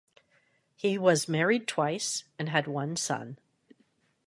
He was married twice and had one son.